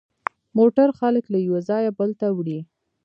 موټر خلک له یوه ځایه بل ته وړي.